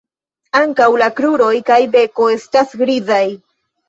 Ankaŭ la kruroj kaj beko estas grizaj.